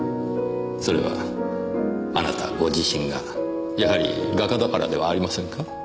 それはあなたご自身がやはり画家だからではありませんか？